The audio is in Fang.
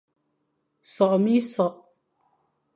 Sokh minsokh,